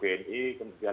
kemudian yang kedua adalah